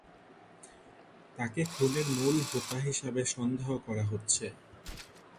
তাকে খুনের মূল হোতা হিসেবে সন্দেহ করা হচ্ছে।